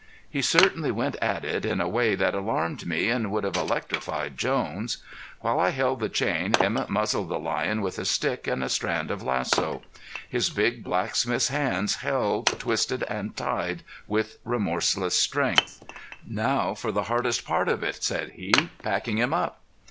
He certainly went at it in a way that alarmed me and would have electrified Jones. While I held the chain Emett muzzled the lion with a stick and a strand of lasso. His big blacksmith's hands held, twisted and tied with remorseless strength. "Now for the hardest part of it," said he, "packing him up."